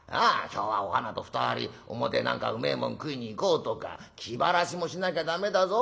今日はお花と２人表へ何かうめえもん食いに行こうとか気晴らしもしなきゃ駄目だぞ。